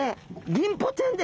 ギンポちゃんです。